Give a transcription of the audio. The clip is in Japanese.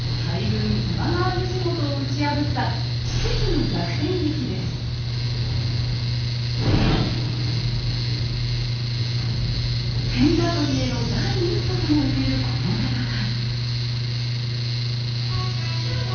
今川義元を打ち破った天下取りへの第一歩とも言えるこの戦い。